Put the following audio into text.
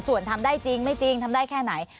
ส่วนทำได้จริงไม่จริงทำได้แค่ไหน